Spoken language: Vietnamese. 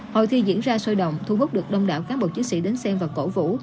hội thi diễn ra sôi động thu hút được đông đảo cán bộ chiến sĩ đến xem và cổ vũ